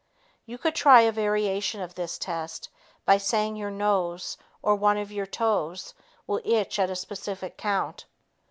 You could try a variation of this test by saying your nose or one of your toes will itch at a specific count.